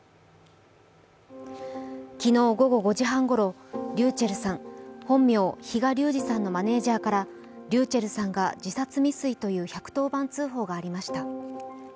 昨日午後５時半ごろ、ｒｙｕｃｈｅｌｌさん、本名・比嘉龍二さんのマネージャーからｒｙｕｃｈｅｌｌさんが自殺未遂という１１０番通報がありました。